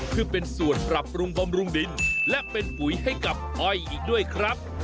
เพื่อเป็นส่วนปรับปรุงบำรุงดินและเป็นปุ๋ยให้กับอ้อยอีกด้วยครับ